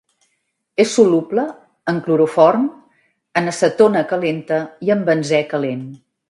És soluble en cloroform, en acetona calenta i en benzè calent.